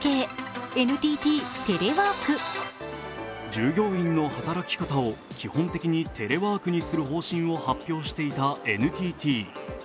従業員の働き方を基本的にテレワークにする方針を発表していたＮＴＴ。